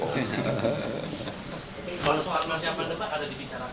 soal masyarakat ada dibicarakan pak